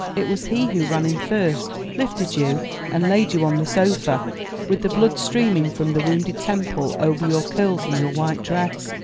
It was he who ran in first, lifted you, and laid you on the sofa with the blood streaming from the wounded temple over your curls and your white dress.